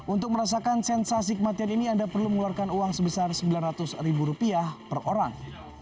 untuk merasakan sensasi kematian ini anda perlu mengeluarkan uang sebesar sembilan ratus ribu rupiah per orang